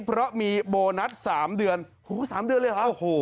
เพราะมีโบนัส๓เดือนหู๓เดือนเลยเหรอ